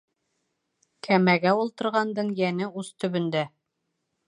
Кәмәгә ултырғандың йәне ус төбөндә